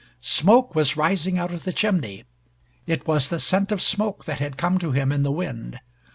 Smoke was rising out of the chimney. It was the scent of smoke that had come to him in the wind.